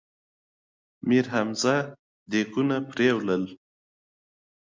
لاسونه نه جنګ غواړي